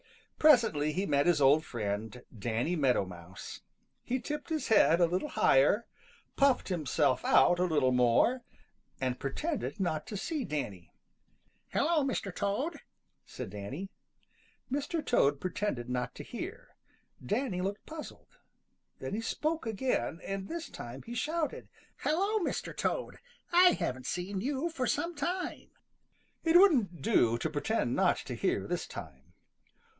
Presently he met his old friend, Danny Meadow Mouse. He tipped his head a little higher, puffed himself out a little more, and pretended not to see Danny. "Hello, Mr. Toad," said Danny. Mr. Toad pretended not to hear. Danny looked puzzled. Then he spoke again, and this time he shouted: "Hello, Mr. Toad! I haven't seen you for some time." It wouldn't do to pretend not to hear this time.